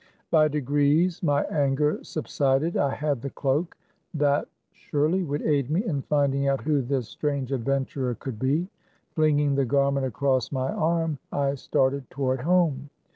By degrees my anger subsided. I had the cloak. That surely would aid me in finding out who this strange adventurer could be. Flinging 136 THE CAB AVAN. the garment across my arm, I started toward home.